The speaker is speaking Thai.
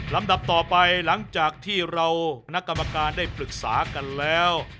ดับต่อไปหลังจากที่เรานักกรรมการได้ปรึกษากันแล้ว